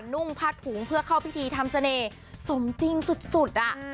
นุ่งผ้าถุงเพื่อเข้าพิธีทำเสน่ห์สมจริงสุดอ่ะ